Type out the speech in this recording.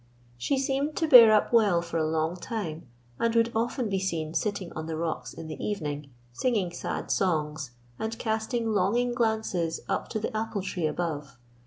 She seemed to bear up well for a long time and would often be seen sitting on the rocks in the evening, singing sad songs, and casting longing glances up to the apple tree above.